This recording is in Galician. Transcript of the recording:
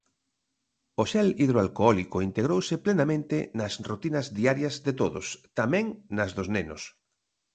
O xel hidroalcólico integrouse plenamente nas rutinas diarias de todos, tamén nas dos nenos.